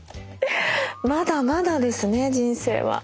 まだまだですね人生は。